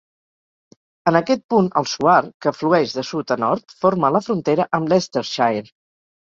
En aquest punt, el Soar, que flueix de sud a nord, forma la frontera amb Leicestershire.